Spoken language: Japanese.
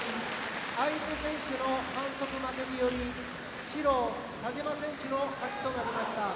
相手選手の反則負けにより白、田嶋選手の勝ちとなりました。